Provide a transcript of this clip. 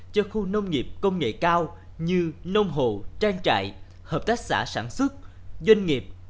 cho khu nông nghiệp công nghệ cao như nông hồ trang trại hợp tác xã sản xuất doanh nghiệp